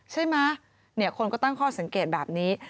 ใช่ไหมคนก็ตั้งข้อสังเกตแบบนี้